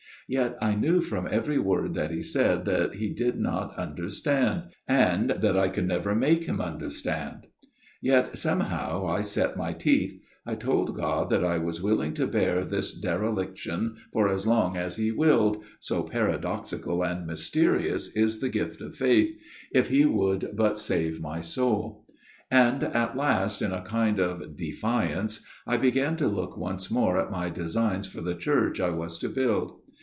... Yet I knew from every word that he said that he did not under stand ; and that I could never make him under stand. Yet, somehow, I set my teeth : I told God that I was willing to bear this dereliction for as long as He willed so paradoxical and mysterious is the gift of Faith if He would FATHER GIRDLESTONE'S TALE 117 but save my soul ; and at last, in a kind of defiance, I began to look once more at my designs for the church I was to build.